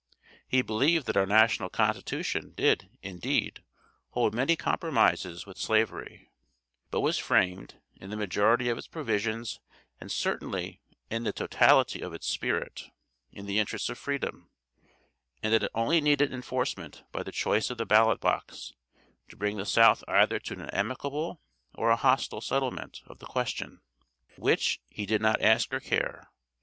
He believed that our National Constitution did, indeed, hold many compromises with Slavery, but was framed, in the majority of its provisions and certainly in the totality of its spirit, in the interests of freedom; and that it only needed enforcement by the choice of the ballot box to bring the South either to an amicable or a hostile settlement of the question. Which, he did not ask or care.